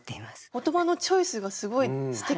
言葉のチョイスがすごいすてきですね。